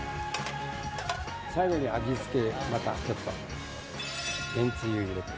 最後に味付け、またちょっとめんつゆを入れて。